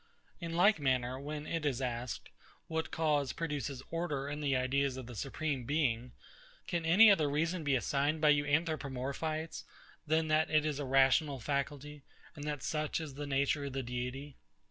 In like manner, when it is asked, what cause produces order in the ideas of the Supreme Being; can any other reason be assigned by you, Anthropomorphites, than that it is a rational faculty, and that such is the nature of the Deity?